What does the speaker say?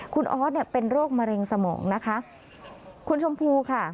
คุณออสเนี่ยเป็นโรคมะเร็งสมองนะคะคุณชมพูค่ะ